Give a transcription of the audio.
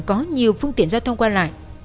có nhiều phương tiện giao thông qua lại